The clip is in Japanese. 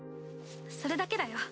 それだけだよ。